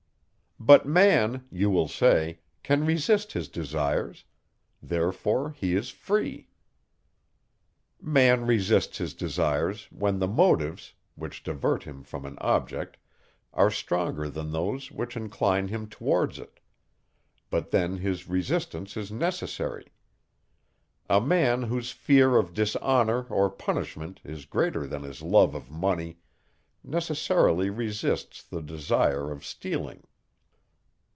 "But man," you will say, "can resist his desires; therefore he is free." Man resists his desires, when the motives, which divert him from an object, are stronger than those, which incline him towards it; but then his resistance is necessary. A man, whose fear of dishonour or punishment is greater than his love of money, necessarily resists the desire of stealing.